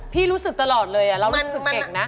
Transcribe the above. รู้สึกตลอดเลยเรารู้สึกเก่งนะ